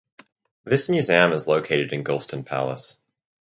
This museum is located in Golestan Palace.